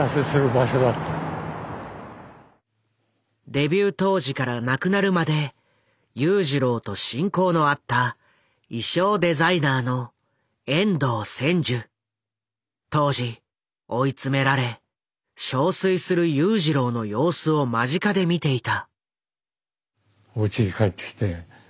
デビュー当時から亡くなるまで裕次郎と親交のあった当時追い詰められ憔悴する裕次郎の様子を間近で見ていた。